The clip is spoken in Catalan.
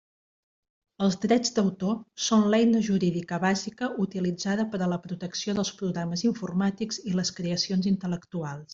Els drets d'autor són l'eina jurídica bàsica utilitzada per a la protecció dels programes informàtics i les creacions intel·lectuals.